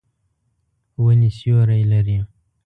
ونې سیوری لري.